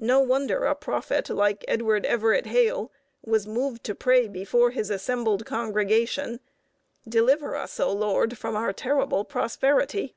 No wonder a prophet like Edward Everett Hale was moved to pray before his assembled congregation, "Deliver us, O Lord! from our terrible prosperity."